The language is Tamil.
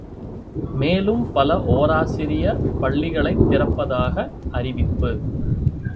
மேலும் பல ஓராசிரியர் பள்ளிகளைத் திறப்பதாக அறிவிப்பு!